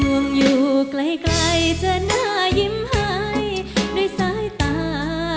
ห่วงอยู่ใกล้จะน่ายิ้มให้ด้วยสายตา